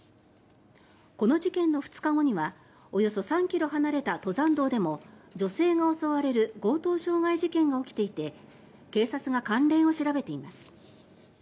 この事件の２日後にはおよそ３ｋｍ離れた登山道でも女性が襲われる強盗傷害事件が起きていて警察が関連を調べています。